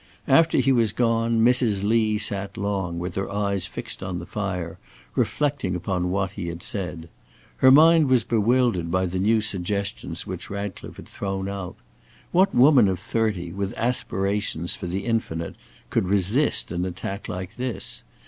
After he was gone, Mrs. Lee sat long, with her eyes fixed on the fire, reflecting upon what he had said. Her mind was bewildered by the new suggestions which Ratcliffe had thrown out. What woman of thirty, with aspirations for the infinite, could resist an attack like this?